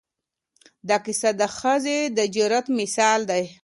دا کیسه د ښځې د جرأت مثال دی.